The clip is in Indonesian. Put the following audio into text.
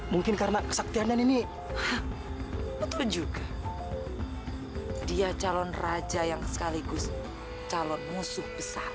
mungkin karena kesaktian dan ini betul juga dia calon raja yang sekaligus calon musuh besar